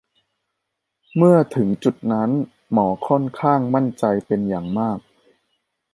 เมื่อถึงจุดนั้น หมอค่อนข้างมั่นใจเป็นอย่างมาก